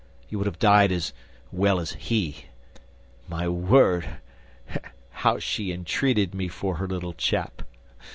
You would have died as well as he! My word, how she entreated me for her little chap!